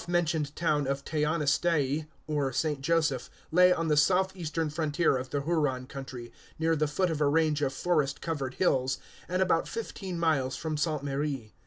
The oft mentioned town of Teanaustayé, or St. Joseph, lay on the south eastern frontier of the Huron country, near the foot of a range of forest covered hills, and about fifteen miles from Sainte Marie.